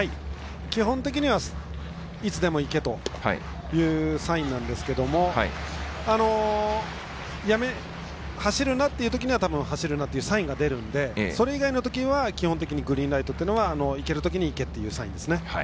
基本的にはいつでも行けというサインなんですけれども走るなというときにはたぶん走るなというサインが出るのでそれ以外のときには基本的にグリーンライトというのはいけるときにいけというサインですね。